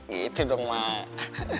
gitu dong mak